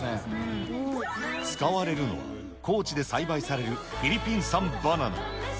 使われるのは、高地で栽培されるフィリピン産バナナ。